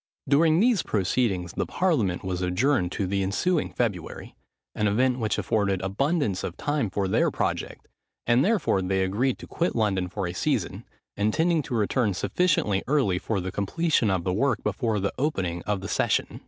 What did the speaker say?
During these proceedings the parliament was adjourned to the ensuing February, an event which afforded abundance of time for their project; and therefore they agreed to quit London for a season, intending to return sufficiently early for the completion of the work before the opening of the session.